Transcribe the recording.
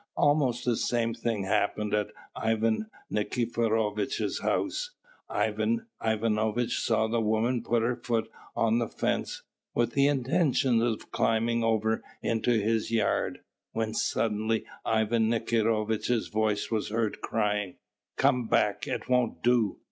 Almost the same thing happened at Ivan Nikiforovitch's house. Ivan Ivanovitch saw the woman put her foot on the fence, with the intention of climbing over into his yard, when suddenly Ivan Nikiforovitch's voice was heard crying: "Come back! it won't do!"